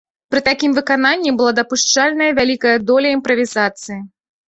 Пры такім выкананні была дапушчальная вялікая доля імправізацыі.